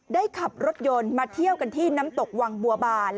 ขับรถยนต์มาเที่ยวกันที่น้ำตกวังบัวบาน